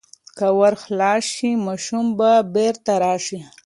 که ور خلاص شي، ماشوم به بیرته راشي.